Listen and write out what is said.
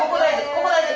ここ大事！